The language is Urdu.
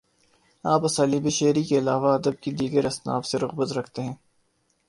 آپ اسالیبِ شعری کے علاوہ ادب کی دیگر اصناف سے رغبت رکھتے ہیں